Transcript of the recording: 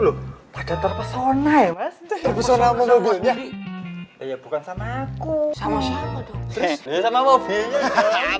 lho pada terpesona ya mas terpesona mobilnya ya bukan sama aku sama sama sama mobilnya hahaha